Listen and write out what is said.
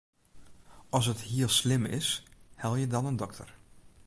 As it hiel slim is, helje dan in dokter.